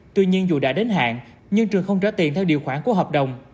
tuy nhiên dù đã đến hạn nhưng trường không trả tiền theo điều khoản của hợp đồng